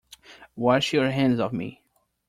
Wash your hands of me.